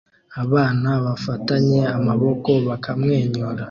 abana bafatanye amaboko bakamwenyura